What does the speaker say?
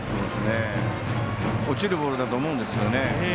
落ちるボールだと思うんですけどね